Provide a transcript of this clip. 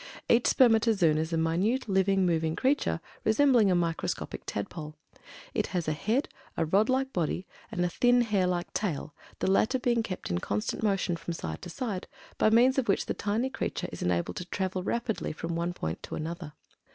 Each spermatozoon is a minute living, moving creature, resembling a microscopic tadpole. It has a head, a rod like body, and a thin hair like tail, the latter being kept in constant motion from side to side, by means of which the tiny creature is enabled to travel rapidly from one point to another.